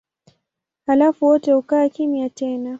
Halafu wote hukaa kimya tena.